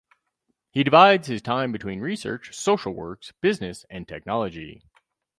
He divides his time between research, social works, business and technology.